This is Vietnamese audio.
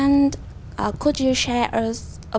nó cũng là